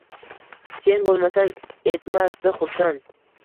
Sen bo’lmasang, etmasdi xursand